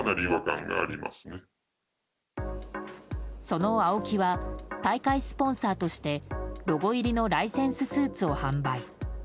そのＡＯＫＩは大会スポンサーとしてロゴ入りのライセンススーツを販売。